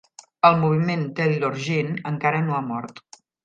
El moviment Taylor Jean encara no ha mort.